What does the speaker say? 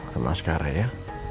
sama sekarang ya